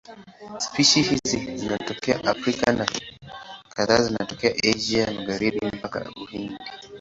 Spishi hizi zinatokea Afrika na kadhaa zinatokea Asia ya Magharibi mpaka Uhindi.